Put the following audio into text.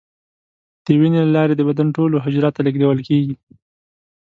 د وینې له لارې د بدن ټولو حجراتو ته لیږدول کېږي.